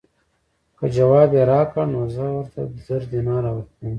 که ځواب یې راکړ نو زه ورته زر دیناره ورکووم.